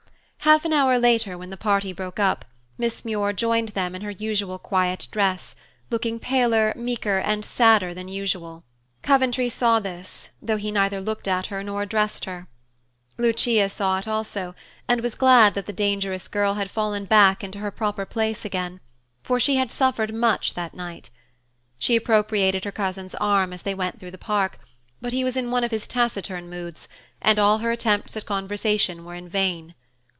Half an hour later, when the party broke up, Miss Muir joined them in her usual quiet dress, looking paler, meeker, and sadder than usual. Coventry saw this, though he neither looked at her nor addressed her. Lucia saw it also, and was glad that the dangerous girl had fallen back into her proper place again, for she had suffered much that night. She appropriated her cousin's arm as they went through the park, but he was in one of his taciturn moods, and all her attempts at conversation were in vain.